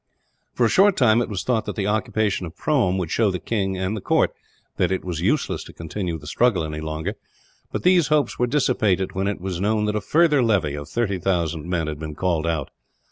For a short time, it was thought that the occupation of Prome would show the king and court that it was useless to continue the struggle, any longer; but these hopes were dissipated when it was known that a further levy of 30,000 men had been called out.